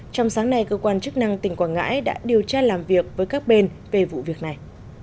trong sáng nay cơ quan chức năng tỉnh quảng ngãi đã điều tra làm việc với các bên về vụ việc này